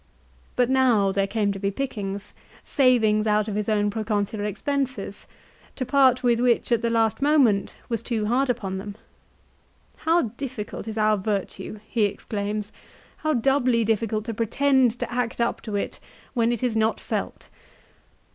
But now there came to be pickings, savings out of his own proconsular expenses, to part with which at the last moment was too hard upon them. "How difficult is virtue," he exclaims, "how doubly difficult to pretend to act up to it when it is not felt